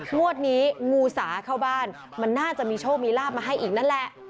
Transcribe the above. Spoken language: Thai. งวดนี้งูสาเข้าบ้านมันน่าจะมีโชคมีลาบมาให้อีกนั่นแหละ